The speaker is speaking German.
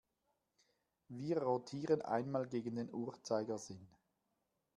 Wir rotieren einmal gegen den Uhrzeigersinn.